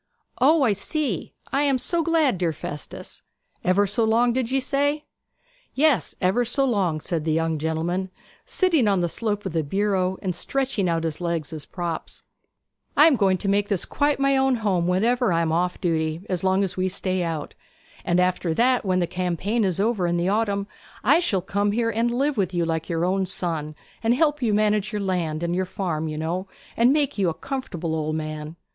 'O I see! I am so glad, dear Festus. Ever so long, did ye say?' 'Yes, ever so long,' said the young gentleman, sitting on the slope of the bureau and stretching out his legs as props. 'I am going to make this quite my own home whenever I am off duty, as long as we stay out. And after that, when the campaign is over in the autumn, I shall come here, and live with you like your own son, and help manage your land and your farm, you know, and make you a comfortable old man.'